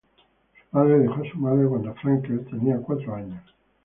Su padre dejó a su madre cuando Frankel tenía cuatro años.